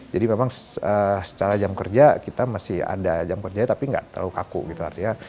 jadi memang secara jam kerja kita masih ada jam kerjanya tapi gak terlalu kaku gitu artinya